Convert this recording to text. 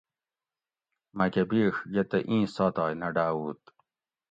مکہ بیڛ یہ تہ اِیں ساۤتائی نہ ڈاۤووت